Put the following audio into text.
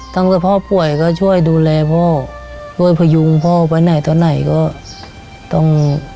ตั้งแต่พ่อป่วยก็ช่วยดูแลพ่อช่วยพยุงพ่อไปไหนตอนไหนก็ต้อง